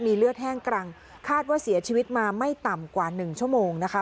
เลือดแห้งกรังคาดว่าเสียชีวิตมาไม่ต่ำกว่าหนึ่งชั่วโมงนะคะ